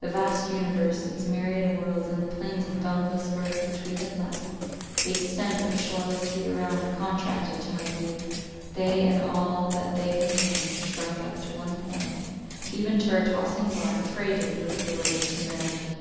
The vast universe, its myriad worlds, and the plains of boundless earth which we had left—the extent of shoreless sea around—contracted to my view—they and all that they contained, shrunk up to one point, even to our tossing bark, freighted with glorious humanity.